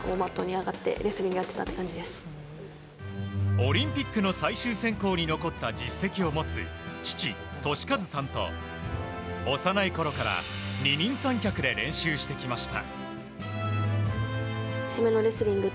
オリンピックの最終選考に残った実績を持つ、父・俊一さんと幼いころから二人三脚で練習してきました。